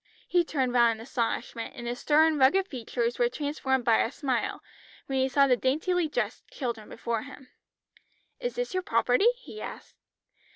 He turned round in astonishment, and his stern, rugged features were transformed by a smile, when he saw the daintily dressed children before him. "Is this your property?" he asked.